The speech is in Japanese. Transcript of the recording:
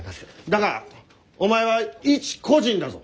だがお前は一個人だぞ！